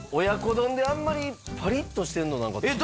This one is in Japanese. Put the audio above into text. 親子丼であんまりパリッとしてるのなんか。